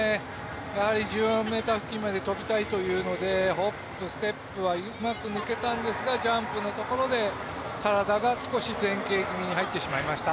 やはり１４ｍ付近まで跳びたいというのでホップ、ステップはうまく抜けたんですがジャンプのところで体が少し前傾気味に入ってしまいました。